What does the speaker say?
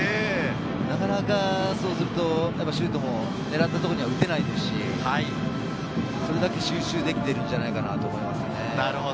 なかなかそうするとシュートも狙ったところには打てないですし、それだけ集中できているんじゃないかなと思いますね。